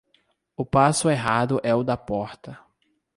O passo errado é o da porta.